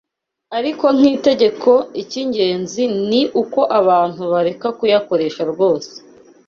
Ariko nk’itegeko icy’ingenzi ni uko abantu bareka kuyakoresha rwose